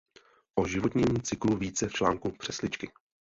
O životním cyklu více v článku přesličky.